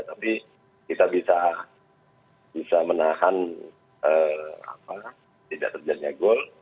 tapi kita bisa menahan tidak terjadinya gol